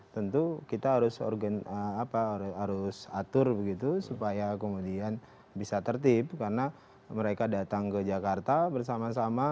tentu kita harus atur begitu supaya kemudian bisa tertib karena mereka datang ke jakarta bersama sama